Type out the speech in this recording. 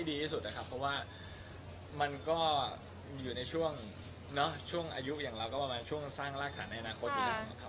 ให้ดีที่สุดครับเพราะว่ามันก็อยู่ในช่วงอายุอย่างเราก็ประมาณช่วงสร้างราคาในอนาคตอยู่แล้ว